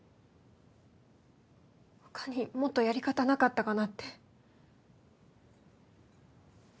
他にもっとやり方なかったかなって。